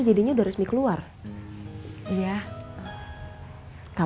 yang lebih contoh